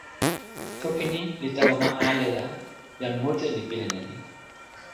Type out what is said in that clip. toki ni li tawa ma ale la jan mute li pilin e ni.